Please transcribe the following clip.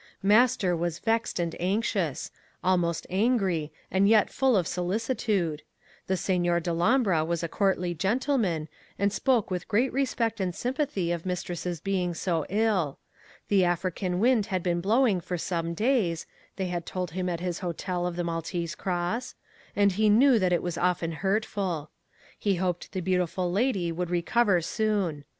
Master was vexed and anxious—almost angry, and yet full of solicitude. The Signor Dellombra was a courtly gentleman, and spoke with great respect and sympathy of mistress's being so ill. The African wind had been blowing for some days (they had told him at his hotel of the Maltese Cross), and he knew that it was often hurtful. He hoped the beautiful lady would recover soon.